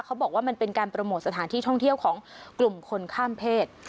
เขาบอกว่ามันเป็นการโปรโมทสถานที่ท่องเที่ยวของกลุ่มคนข้ามเพศ